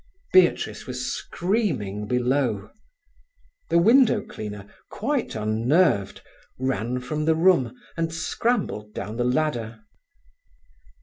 Beatrice was screaming below. The window cleaner, quite unnerved, ran from the room and scrambled down the ladder.